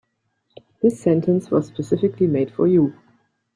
This sentence was specifically made for you.